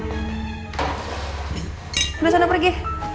udah sana pergi